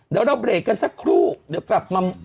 เดี๋ยวเราเบรกกันสักครู่เดี๋ยวกลับมา